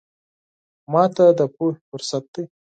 ماته د پوهې فرصت دی.